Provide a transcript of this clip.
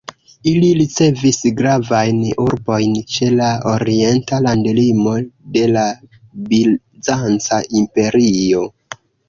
Ili ricevis gravajn urbojn ĉe la orienta landlimo de la Bizanca Imperio.